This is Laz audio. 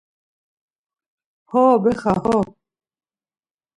Ho, Bexa, ho.